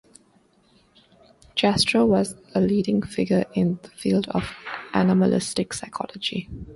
Jastrow was a leading figure in the field of anomalistic psychology.